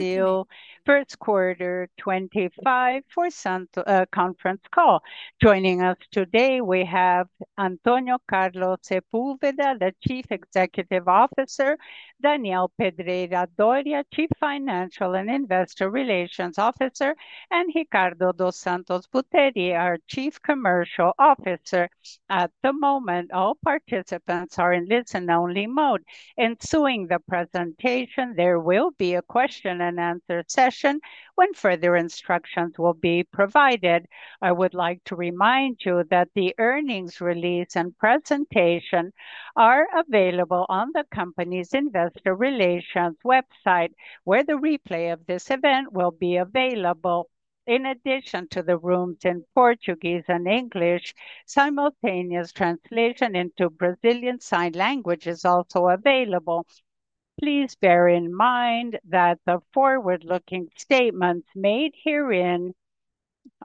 Deal first quarter 2025 for Santos Conference Call. Joining us today, we have Antonio Carlos Sepúlveda, the Chief Executive Officer; Daniel Pedreira Dórea, Chief Financial and Investor Relations Officer; and Ricardo dos Santos Buteri, our Chief Commercial Officer. At the moment, all participants are in listen-only mode. Ensuing the presentation, there will be a question-and-answer session when further instructions will be provided. I would like to remind you that the earnings release and presentation are available on the company's Investor Relations website, where the replay of this event will be available. In addition to the rooms in Portuguese and English, simultaneous translation into Brazilian Sign Language is also available. Please bear in mind that the forward-looking statements made herein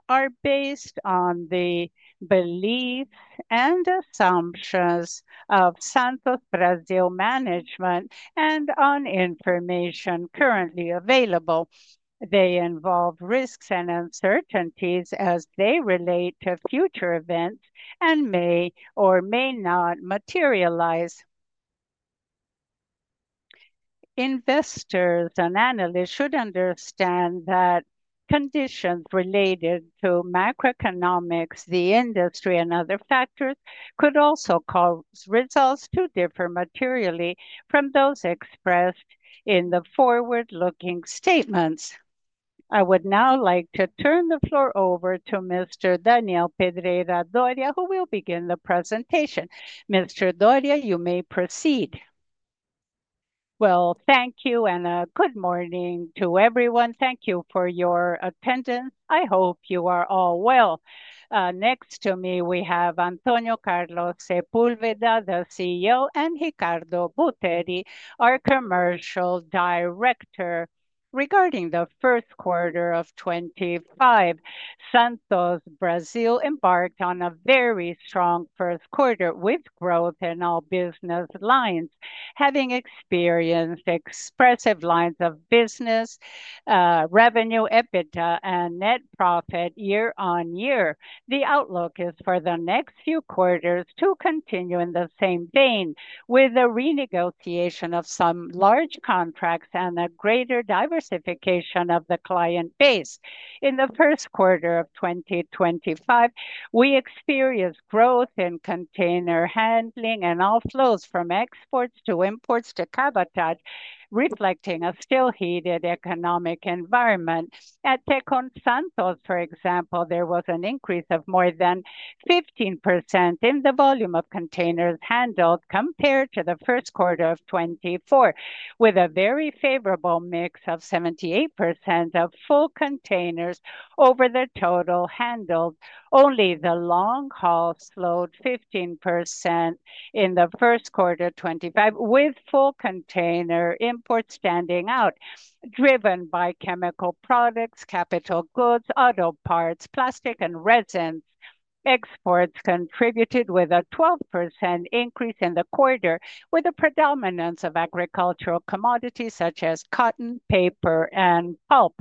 are based on the beliefs and assumptions of Santos Brasil Management and on information currently available. They involve risks and uncertainties as they relate to future events and may or may not materialize. Investors and analysts should understand that conditions related to macroeconomics, the industry, and other factors could also cause results to differ materially from those expressed in the forward-looking statements. I would now like to turn the floor over to Mr. Daniel Pedreira Dórea, who will begin the presentation. Mr. Dórea, you may proceed. Thank you and a good morning to everyone. Thank you for your attendance. I hope you are all well. Next to me, we have Antonio Carlos Sepúlveda, the CEO, and Ricardo dos Santos Buteri, our Commercial Director. Regarding the first quarter of 2025, Santos Brasil embarked on a very strong first quarter with growth in all business lines, having experienced expressive lines of business, revenue, EBITDA, and net profit year on year. The outlook is for the next few quarters to continue in the same vein, with the renegotiation of some large contracts and a greater diversification of the client base. In the first quarter of 2025, we experienced growth in container handling and all flows from exports to imports to cabotage, reflecting a still heated economic environment. At Tecon Santos, for example, there was an increase of more than 15% in the volume of containers handled compared to the first quarter of 2024, with a very favorable mix of 78% of full containers over the total handled. Only the long haul slowed 15% in the first quarter of 2025, with full container imports standing out, driven by chemical products, capital goods, auto parts, plastic, and resins. Exports contributed with a 12% increase in the quarter, with a predominance of agricultural commodities such as cotton, paper, and pulp.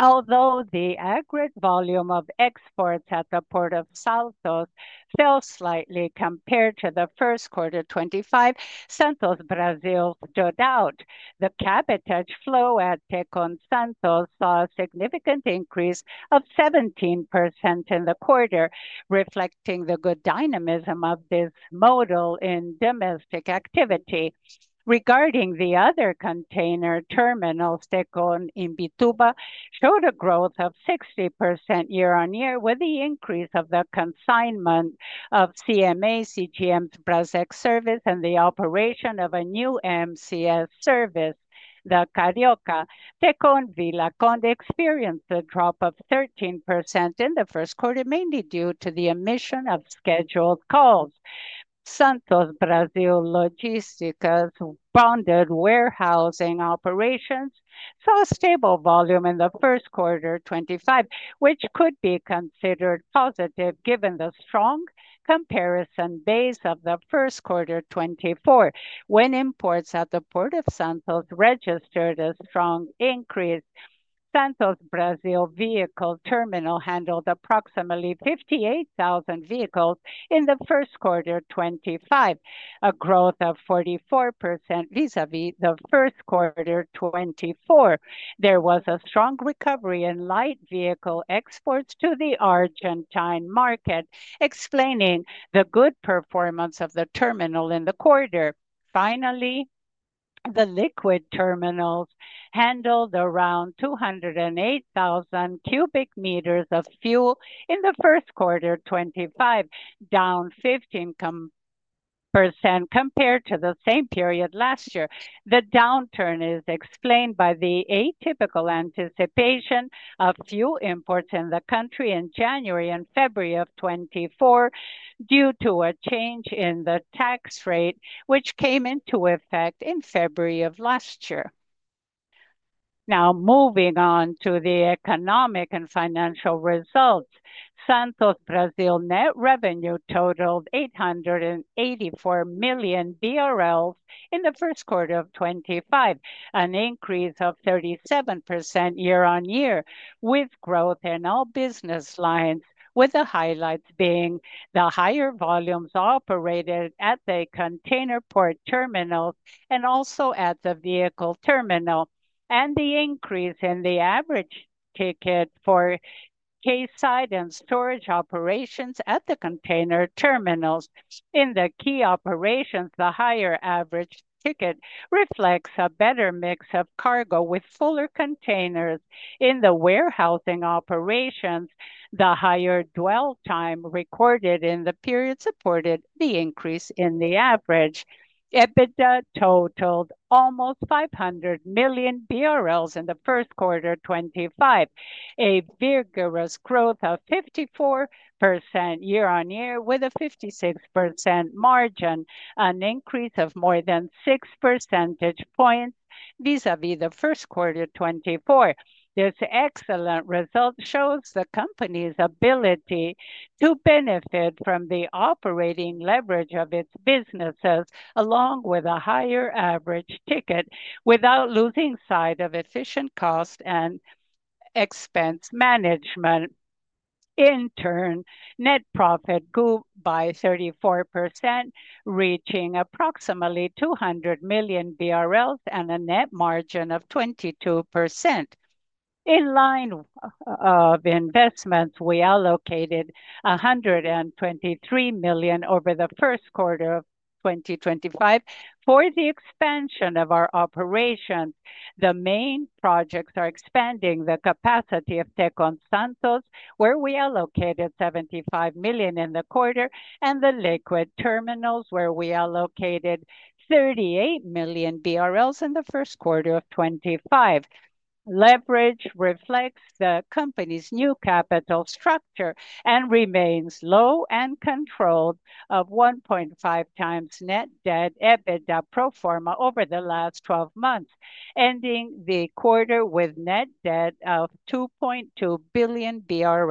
Although the aggregate volume of exports at the Port of Santos fell slightly compared to the first quarter of 2025, Santos Brasil stood out. The cabotage flow at Tecon Santos saw a significant increase of 17% in the quarter, reflecting the good dynamism of this modal in domestic activity. Regarding the other container terminals, Tecon Imbituba showed a growth of 60% year on year, with the increase of the consignment of CMA CGM's Brassek service, and the operation of a new MCS service, the Carioca. Tecon Vila do Conde experienced a drop of 13% in the first quarter, mainly due to the emission of scheduled calls. Santos Brasil Logística's bonded warehousing operations saw a stable volume in the first quarter of 2025, which could be considered positive given the strong comparison base of the first quarter of 2024, when imports at the Port of Santos registered a strong increase. Santos Brasil Vehicle Terminal handled approximately 58,000 vehicles in the first quarter of 2025, a growth of 44% vis-à-vis the first quarter of 2024. There was a strong recovery in light vehicle exports to the Argentine market, explaining the good performance of the terminal in the quarter. Finally, the Liquid Bulk Terminals handled around 208,000 cubic meters of fuel in the first quarter of 2025, down 15% compared to the same period last year. The downturn is explained by the atypical anticipation of fuel imports in the country in January and February of 2024 due to a change in the tax rate, which came into effect in February of last year. Now moving on to the economic and financial results, Santos Brasil net revenue totaled 884 million BRL in the first quarter of 2025, an increase of 37% year on year, with growth in all business lines, with the highlights being the higher volumes operated at the container port terminals and also at the vehicle terminal, and the increase in the average ticket for case site and storage operations at the container terminals. In the key operations, the higher average ticket reflects a better mix of cargo with fuller containers. In the warehousing operations, the higher dwell time recorded in the period supported the increase in the average. EBITDA totaled almost 500 million BRL in the first quarter of 2025, a vigorous growth of 54% year on year with a 56% margin, an increase of more than 6 percentage points vis-à-vis the first quarter of 2024. This excellent result shows the company's ability to benefit from the operating leverage of its businesses, along with a higher average ticket, without losing sight of efficient cost and expense management. In turn, net profit grew by 34%, reaching approximately 200 million BRL and a net margin of 22%. In line of investments, we allocated 123 million over the first quarter of 2025 for the expansion of our operations. The main projects are expanding the capacity of Tecon Santos, where we allocated 75 million in the quarter, and the Liquid Bulk Terminals, where we allocated 38 million BRL in the first quarter of 2025. Leverage reflects the company's new capital structure and remains low and controlled of 1.5 times net debt EBITDA pro forma over the last 12 months, ending the quarter with net debt of 2.2 billion BRL.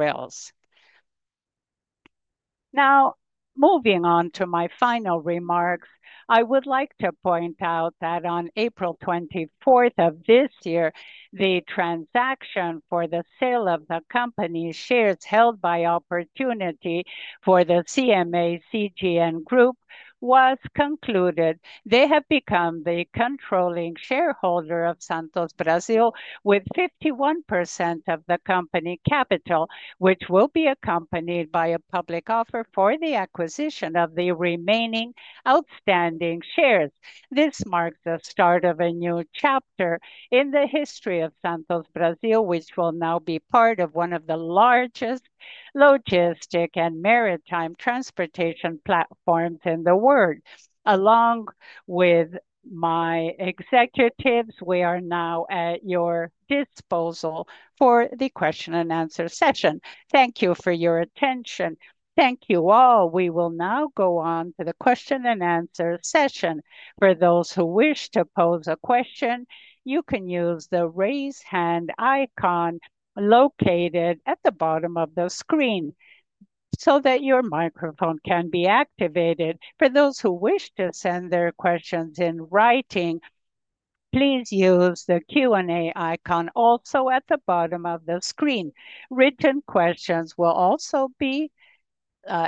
Now moving on to my final remarks, I would like to point out that on April 24th of this year, the transaction for the sale of the company's shares held by Opportunity for the CMA CGM Group was concluded. They have become the controlling shareholder of Santos Brasil, with 51% of the company capital, which will be accompanied by a public offer for the acquisition of the remaining outstanding shares. This marks the start of a new chapter in the history of Santos Brasil, which will now be part of one of the largest logistic and maritime transportation platforms in the world. Along with my executives, we are now at your disposal for the question and answer session. Thank you for your attention. Thank you all. We will now go on to the question and answer session. For those who wish to pose a question, you can use the raise hand icon located at the bottom of the screen so that your microphone can be activated. For those who wish to send their questions in writing, please use the Q&A icon also at the bottom of the screen. Written questions will also be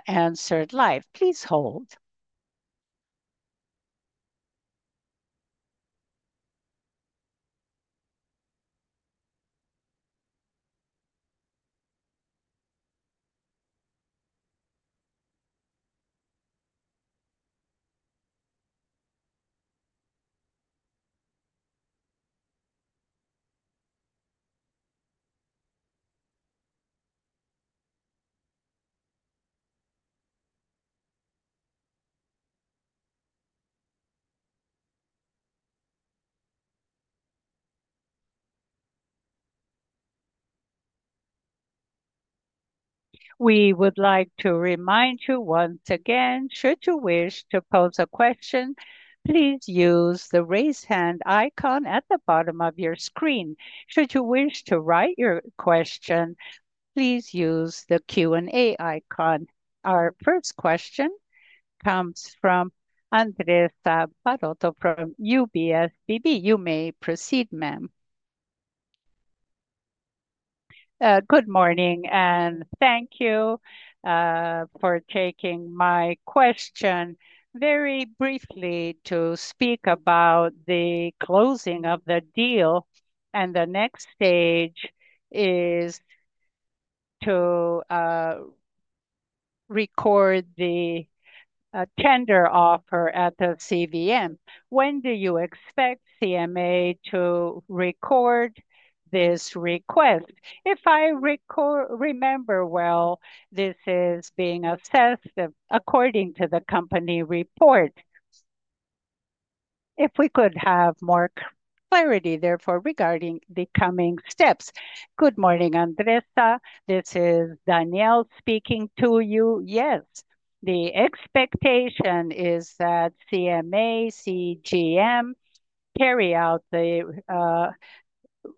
answered live. Please hold. We would like to remind you once again, should you wish to pose a question, please use the raise hand icon at the bottom of your screen. Should you wish to write your question, please use the Q&A icon. Our first question comes from Andressa Baroto from UBS BB. You may proceed, ma'am. Good morning, and thank you for taking my question. Very briefly, to speak about the closing of the deal, and the next stage is to record the tender offer at the CVM. When do you expect CMA to record this request? If I remember well, this is being assessed according to the company report. If we could have more clarity, therefore, regarding the coming steps. Good morning, Andressa. This is Daniel speaking to you. Yes, the expectation is that CMA CGM carry out the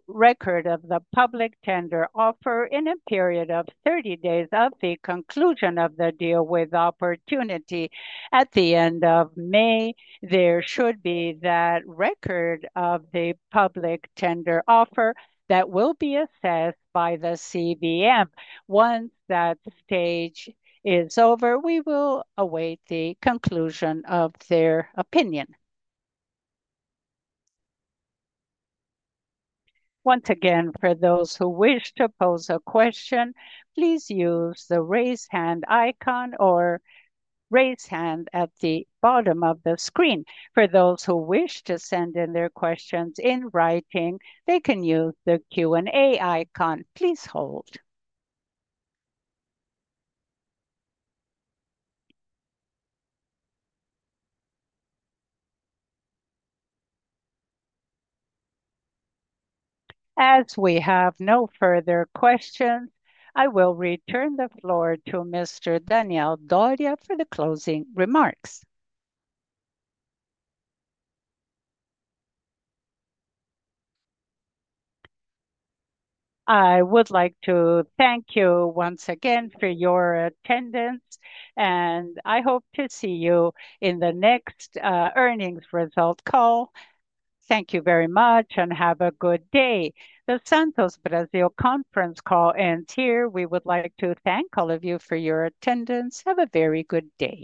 record of the public tender offer in a period of 30 days of the conclusion of the deal with Opportunity. At the end of May, there should be that record of the public tender offer that will be assessed by the CVM. Once that stage is over, we will await the conclusion of their opinion. Once again, for those who wish to pose a question, please use the raise hand icon or raise hand at the bottom of the screen. For those who wish to send in their questions in writing, they can use the Q&A icon. Please hold. As we have no further questions, I will return the floor to Mr. Daniel Pedreira Dórea for the closing remarks. I would like to thank you once again for your attendance, and I hope to see you in the next earnings result call. Thank you very much, and have a good day. The Santos Brasil conference call ends here. We would like to thank all of you for your attendance. Have a very good day.